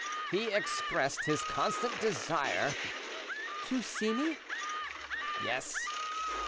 "He expressed his constant desire—" "To see me?" "Yes."